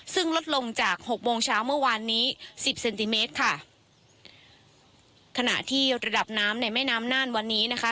ซึ่งลดลงจากหกโมงเช้าเมื่อวานนี้สิบเซนติเมตรค่ะขณะที่ระดับน้ำในแม่น้ำน่านวันนี้นะคะ